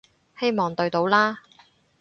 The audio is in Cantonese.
希望對到啦